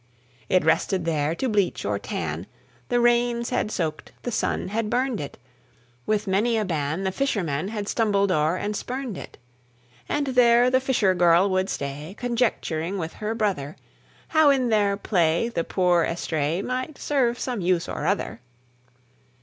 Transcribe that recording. It rested there to bleach or tan, The rains had soaked, the sun had burned it; With many a ban the fisherman Had stumbled o'er and spurned it; And there the fisher girl would stay, Conjecturing with her brother How in their play the poor estray Might serve some use or other.